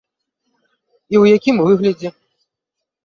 І ў якім выглядзе?